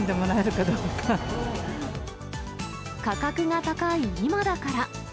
価格が高い今だから。